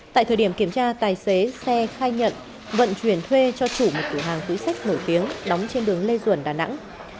tại thời điểm kiểm tra tài xế xe khai nhận vận chuyển thuê cho chủ một cửa hàng túi sách nổi tiếng đóng trên đường lê duẩn đà nẵng